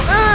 eh ah eh